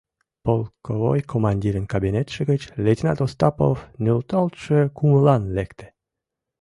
Полковой командирын кабинетше гыч лейтенант Остапов нӧлталтше кумылан лекте.